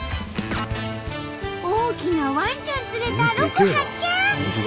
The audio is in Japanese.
大きなワンちゃん連れたロコ発見！